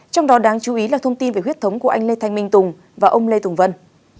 trong đó đáng chú ý là thông tin về huyết thống của anh lê thanh minh tùng và ông lê tùng vân